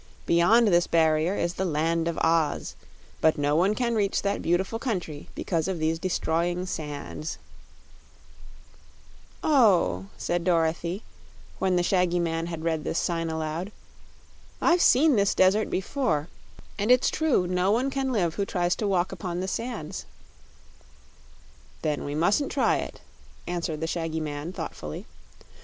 Beyond This Barrier is the LAND OF OZ But no one can Reach that Beautiful Country because of these Destroying Sands "Oh," said Dorothy, when the shaggy man had read the sign aloud; "I've seen this desert before, and it's true no one can live who tries to walk upon the sands." "Then we musn't try it," answered the shaggy man thoughtfully.